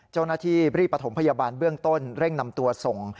เจ้าหน้าที่รีบประถมพยาบาลเบื้องต้นเร่งนำตัวส่ง